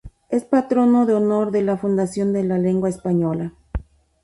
Es patrono de honor de la Fundación de la Lengua Española.